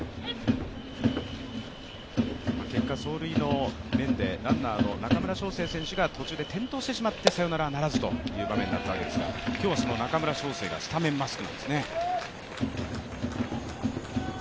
結果、走塁の面でランナーの中村奨成選手が途中で転倒してしまって、サヨナラならずという場面だったんですが、今日はその中村奨成がスタメンなんですね。